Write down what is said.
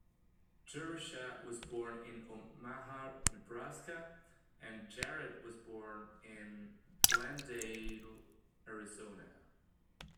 Jerusha was born in Omaha, Nebraska, and Jared was born in Glendale, Arizona.